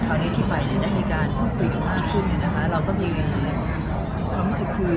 คราวนี้ที่ไปเนี่ยได้มีการพูดคุยกันมากขึ้นเนี่ยนะคะเราก็มีความรู้สึกคือ